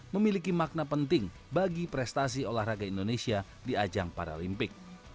memiliki makna penting bagi prestasi olahraga indonesia di ajang paralimpik